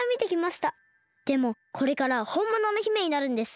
でもこれからはほんものの姫になるんです。